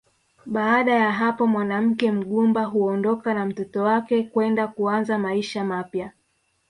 Baada ya hapo mwanamke mgumba huondoka na mtoto wake kwenda kuanza maisha mapya